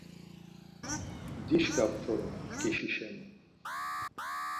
Dişǩa ptorum. ǩişi şeni.